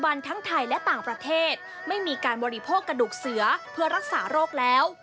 ทั้งไทยและต่างประเทศไม่มีการบริโภคกระดูกเสือเพื่อรักษาโรคแล้ว